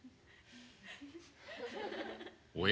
おや？